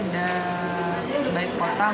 dan baik kota